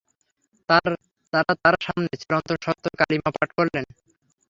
তাঁরা তাঁর সামনে চিরন্তন সত্যের কালিমা পাঠ করলেন।